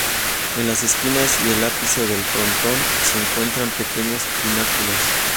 En las esquinas y el ápice del frontón, se encuentran pequeños pináculos.